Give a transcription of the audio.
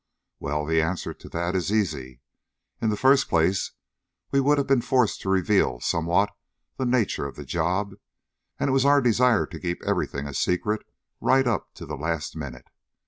Well, the answer to that is easy. In the first place we would have been forced to reveal somewhat the nature of the job, and it was our desire to keep everything a secret right up to the last minute.